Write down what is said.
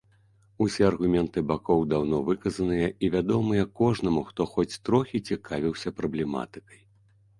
Усе аргументы бакоў даўно выказаныя і вядомыя кожнаму, хто хоць трохі цікавіўся праблематыкай.